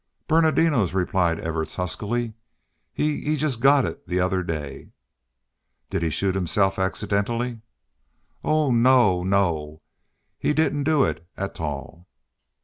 "Ber nardino's," replied Evarts, huskily. "He he jest got it the other day." "Did he shoot himself accidentally?" "Oh no! No! He didn't do it atall."